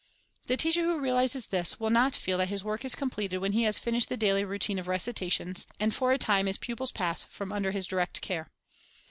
The teacher who realizes this will not feel that his work is completed when he has finished the daily rou tine of recitations, and for a time his pupils pass from under his direct care.